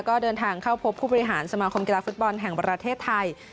ก็เดินทางเข้าพบผู้บริหารสมาคมกีฬาฟุตบอลแห่งประเทศไทย